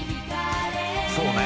「そうね